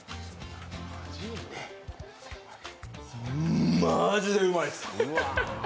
んマジでうまいです！